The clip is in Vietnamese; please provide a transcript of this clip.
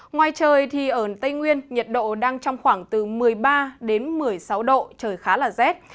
ngoài trời thì ở tây nguyên nhiệt độ đang trong khoảng từ một mươi ba đến một mươi sáu độ trời khá là rét